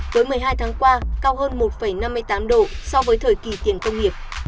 với một mươi hai tháng qua cao hơn một năm mươi tám độ so với thời kỳ tiền công nghiệp